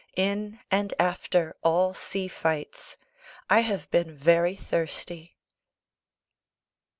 In and after all sea fights, I have been very thirsty.